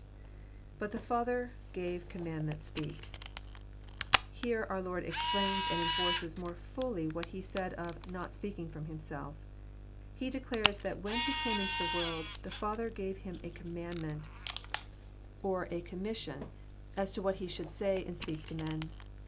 \But the Father..,gave,.,commandment.„8peak<.'] Here our Lord explains and enforces more fully what He said of " not speaking from Himself." He declares that when He came into the world, the Father gave Him a ''commandment" oi % JOHN, CHAP. xn. 3^1 commission, as to what He should say and speak to men.